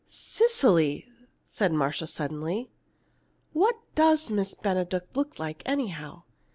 "Cecily," said Marcia, suddenly, "what does Miss Benedict look like, anyhow?